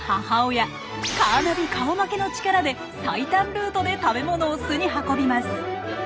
カーナビ顔負けの力で最短ルートで食べ物を巣に運びます。